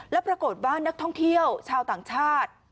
แล้วปรากฏว่านักท่องเที่ยวชาวต่างชาติ